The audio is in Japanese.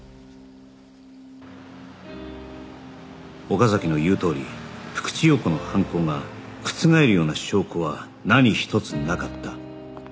岡崎の言うとおり福地陽子の犯行が覆るような証拠は何一つなかった